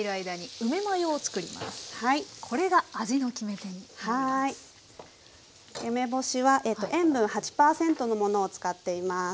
梅干しは塩分８％のものを使っています。